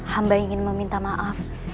hamba ingin meminta maaf